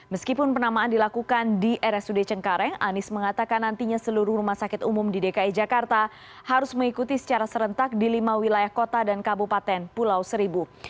meskipun penamaan dilakukan di rsud cengkareng anies mengatakan nantinya seluruh rumah sakit umum di dki jakarta harus mengikuti secara serentak di lima wilayah kota dan kabupaten pulau seribu